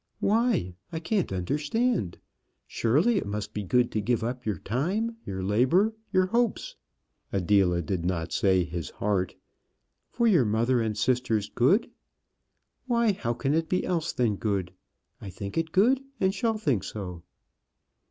"Why? I can't understand? Surely it must be good to give up your time, your labour, your hopes" Adela did not say his heart "for your mother and sisters' good! Why, how can it be else than good? I think it good, and shall think so."